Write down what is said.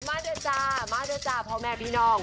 มาเถอะจ้ามาด้วยจ้าพ่อแม่พี่น้อง